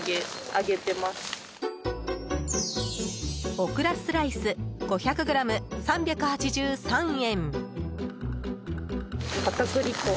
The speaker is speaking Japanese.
おくらスライス５００ｇ３８３円。